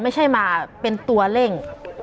ไม่ใช่มาเป็นตัวเร่ง